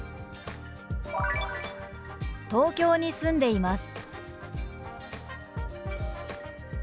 「東京に住んでいます」。